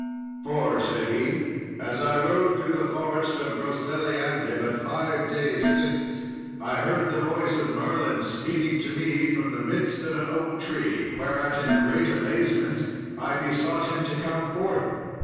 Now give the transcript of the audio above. "For," said he, "as I rode through the forest of Broceliande but five days since, I heard the voice of Merlin speaking to me from the midst of an oak tree, whereat, in great amazement, I besought him to come forth.